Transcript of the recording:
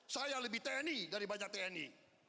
saya lebih tni dari banyak tni